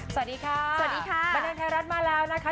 สวัสดีค่ะสวัสดีค่ะบันเทิงไทยรัฐมาแล้วนะคะ